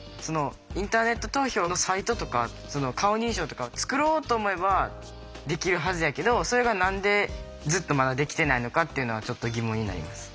インターネット投票のサイトとか顔認証とかを作ろうと思えばできるはずやけどそれが何でずっとまだできてないのかっていうのはちょっと疑問になります。